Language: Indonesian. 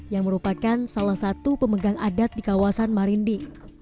yang merupakan salah satu pemegang adat di kawasan marinding